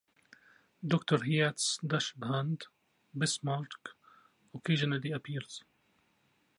Doctor Hyatt's dachshund, Bismarck, occasionally appears.